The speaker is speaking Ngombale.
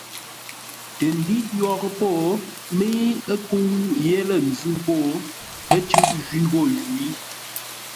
Tə ndə́iʼ yórə́ po, mə́i ə́ kə́u yé lə̂ ńzʉ́ ghô, ə́ cʉ́ʼ jwí ghô jwǐ.